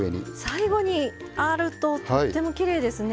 最後にあるととってもきれいですね。